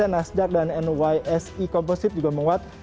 nasdaq dan nyse composite juga menguat